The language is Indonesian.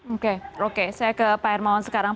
oke oke saya ke pak hermawan sekarang